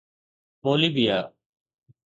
Bolivia